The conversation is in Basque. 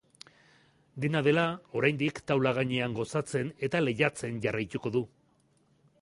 Dena dela, oraindik, taula gainean gozatzen eta lehiatzen jarraituko du.